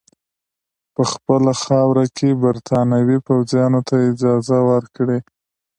په خپله خاوره کې برټانوي پوځیانو ته اجازه ورکړي.